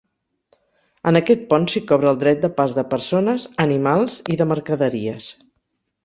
En aquest pont s'hi cobra el dret de pas de persones, animals i de mercaderies.